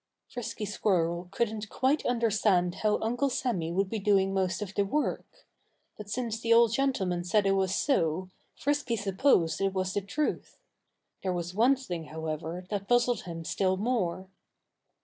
Frisky Squirrel couldn't quite understand how Uncle Sammy would be doing most of the work. But since the old gentleman said it was so, Frisky supposed it was the truth. There was one thing, however, that puzzled him still more.